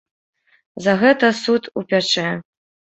За гэта суд упячэ.